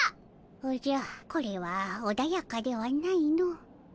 おじゃこれはおだやかではないの。